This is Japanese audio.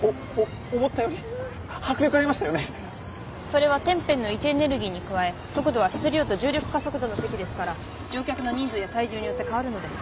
それは天辺の位置エネルギーに加え速度は質量と重力加速度の積ですから乗客の人数や体重によって変わるのです。